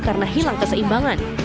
karena hilang keseimbangan